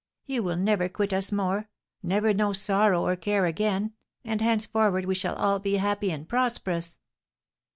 You will never quit us more, never know sorrow or care again, and henceforward we shall all be happy and prosperous!"